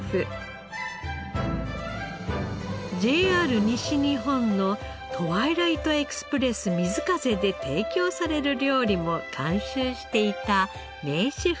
ＪＲ西日本のトワイライトエクスプレス瑞風で提供される料理も監修していた名シェフです。